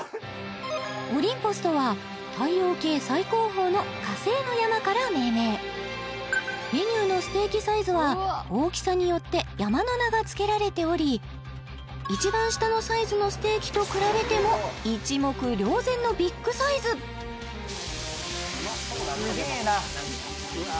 オリンポスとは太陽系最高峰の火星の山から命名メニューのステーキサイズは大きさによって山の名がつけられており一番下のサイズのステーキと比べても一目瞭然のビッグサイズすげえなうわあ